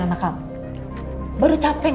anak kamu baru capek